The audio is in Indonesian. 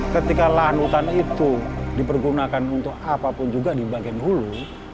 ketika lahan hutan itu dipergunakan untuk apapun juga di bagian hulu